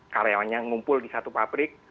karyawannya ngumpul di satu pabrik